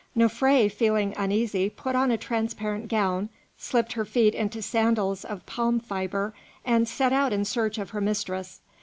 Nofré, feeling uneasy, put on a transparent gown, slipped her feet into sandals of palm fibre, and set out in search of her mistress.